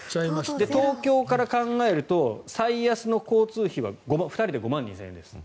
東京から考えると最安の交通費は２人で５万２０００円です。